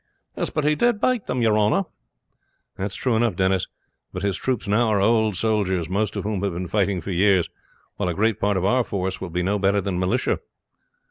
"Yes, but he did bate them, your honor." "That's true enough, Denis; but his troops now are old soldiers, most of whom have been fighting for years, while a great part of our force will be no better than militia."